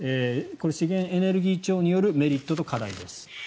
これは資源エネルギー庁によるメリットと課題です。